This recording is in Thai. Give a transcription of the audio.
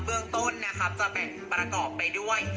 เบื้องต้นนะครับจะแบ่งประกอบไปด้วย